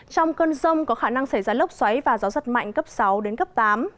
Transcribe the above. trong cơn rông có khả năng xảy ra lốc xoáy và gió giật mạnh cấp sáu đến cấp tám